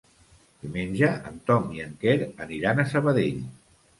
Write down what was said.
Diumenge en Tom i en Quer aniran a Sabadell.